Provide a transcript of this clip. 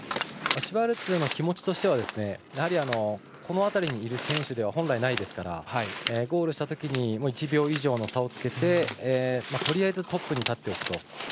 シュワルツの気持ちとしてはこの辺りにいる選手では本来、ないですからゴールしたときに１秒以上の差をつけてとりあえずトップに立っておくと。